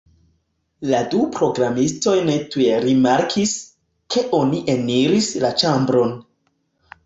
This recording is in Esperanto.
La du programistoj ne tuj rimarkis, ke oni eniris la ĉambron.